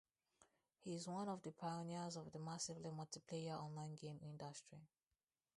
He is one of the pioneers of the massively multiplayer online game industry.